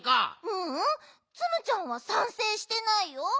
ううんツムちゃんはさんせいしてないよ。